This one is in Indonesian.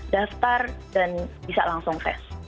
daftar dan bisa langsung tes